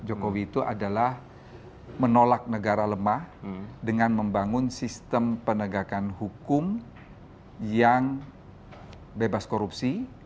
jokowi itu adalah menolak negara lemah dengan membangun sistem penegakan hukum yang bebas korupsi